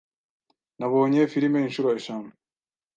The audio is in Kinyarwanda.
Nabonye firime inshuro eshanu.